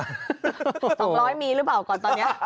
๒๐๐มีหรือเปล่าก่อนตอนนี้